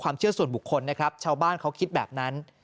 เชื่อส่วนบุคคลนะครับชาวบ้านเขาคิดแบบนั้น